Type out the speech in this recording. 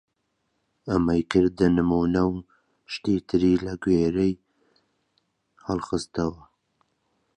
ئەمەی کردە نموونە و شتی تری لە گوێرەی هەڵخستەوە!